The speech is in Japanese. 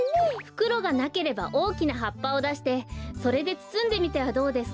ふくろがなければおおきなはっぱをだしてそれでつつんでみてはどうですか？